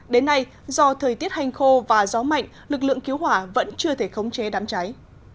đến nay do thời tiết hành khô và gió mạnh lực lượng cứu hỏa vẫn chưa thể khống chế đám cháy